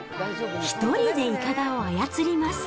１人でいかだを操ります。